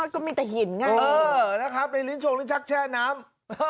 ก็มีแต่หินไงเออนะครับในลิ้นชงลิ้นชักแช่น้ำ